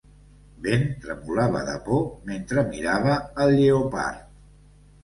Ben tremolava de por mentre mirava el lleopard.